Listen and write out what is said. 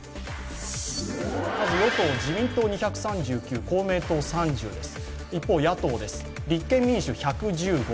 与党・自民党２３９公明党３０です。